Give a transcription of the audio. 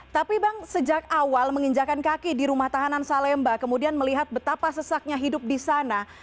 tapi bang sejak awal menginjakan kaki di rumah tahanan salemba kemudian melihat betapa sesaknya hidup di sana